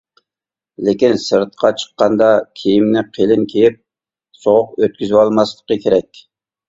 لېكىن سىرتقا چىققاندا كىيىمنى قېلىن كىيىپ، سوغۇق ئۆتكۈزۈۋالماسلىقى كېرەك.